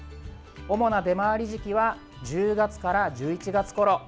主な出回り時期は１０月から１１月ごろ。